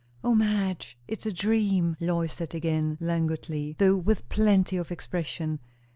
"O Madge, it's a dream!" Lois said again languidly, though with plenty of expression.